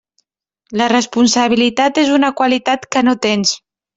La responsabilitat és una qualitat que no tens.